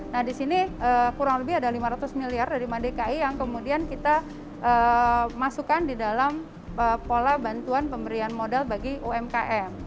nah di sini kurang lebih ada lima ratus miliar dari madki yang kemudian kita masukkan di dalam pola bantuan pemberian modal bagi umkm